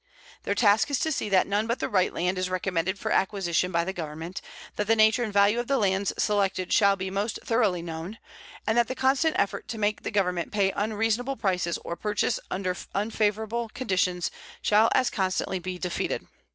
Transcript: Their task is to see that none but the right land is recommended for acquisition by the Government, that the nature and value of the lands selected shall be most thoroughly known, and that the constant effort to make the Government pay unreasonable prices or purchase under unfavorable conditions shall as constantly be defeated.